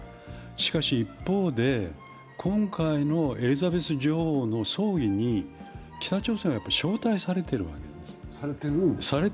しかし一方で今回のエリザベス女王の葬儀に北朝鮮は招待されているわけですね。